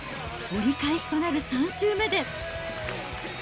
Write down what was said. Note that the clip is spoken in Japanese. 折り返しとなる３周目で。